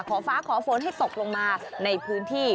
ฟ้าขอฝนให้ตกลงมาในพื้นที่